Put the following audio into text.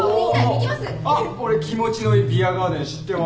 あっ俺気持ちのいいビアガーデン知ってます。